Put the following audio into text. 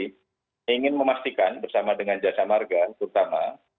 saya ingin memastikan bersama dengan jasa marga terutama